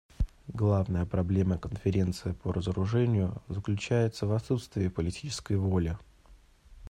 Главная проблема Конференции по разоружению заключается в отсутствии политической воли.